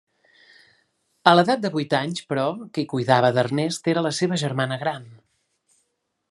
A l'edat de vuit anys, però, qui cuidava d'Ernest era la seva germana gran.